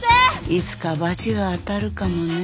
いつかバチが当たるかもね。